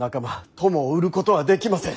友を売ることはできません。